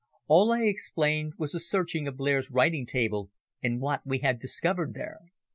All I explained was the searching of Blair's writing table and what we had discovered there.